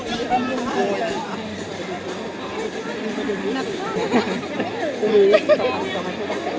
เชียร์แล้วแสดงความผิดดีด้วยนะครับ